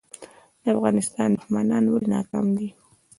د افغانستان دښمنان ولې ناکام دي؟